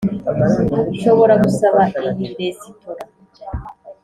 nshobora gusaba iyi resitora.